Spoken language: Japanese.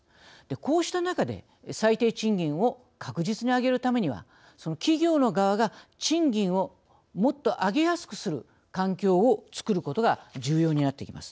こうした中で最低賃金を確実に上げるためにはその企業の側が賃金をもっと上げやすくする環境を作ることが重要になってきます。